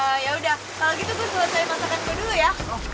eee eee yaudah kalau gitu gue suruh siapkan masakan gue dulu ya